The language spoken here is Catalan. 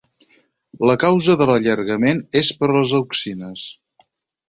La causa de l'allargament és per les auxines.